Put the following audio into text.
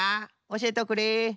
おしえておくれ。